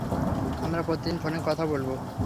আমরা প্রতিদিন ফোনে কথা বলব।